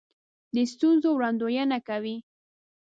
د ستونزو وړاندوینه کوي.